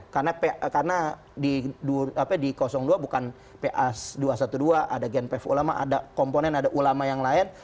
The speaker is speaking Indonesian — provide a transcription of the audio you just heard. karena di dua bukan pa dua ratus dua belas ada genpef ulama ada komponen ada ulama yang lain